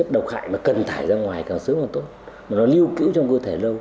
độc hại mà cần thải ra ngoài càng sớm càng tốt mà nó lưu cứu trong cơ thể lâu